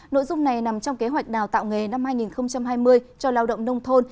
nội dung này nằm trong kế hoạch đào tạo nghề năm hai nghìn hai mươi cho lao động nông thôn